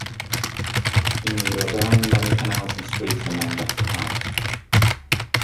In the Jordaan many canals and streets are named after flowers.